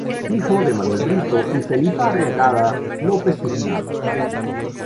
Hijo de Manuel Brito y Felipa Arriagada Lopez-Tiznado.